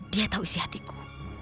dia tahu isi hatiku